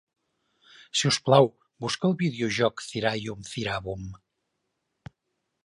Si us plau, busca el videojoc Thirayum Theeravum.